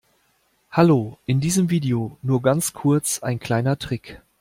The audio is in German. Hallo, in diesem Video nur ganz kurz ein kleiner Trick.